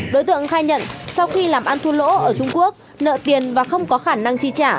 đối tượng khai nhận sau khi làm ăn thua lỗ ở trung quốc nợ tiền và không có khả năng chi trả